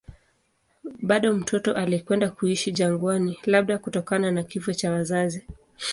Bado mtoto alikwenda kuishi jangwani, labda kutokana na kifo cha wazazi.